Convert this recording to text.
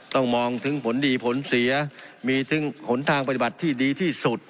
ต้องมองถึงผลดีผลเสียมีถึงหนทางปฏิบัติที่ดีที่สุด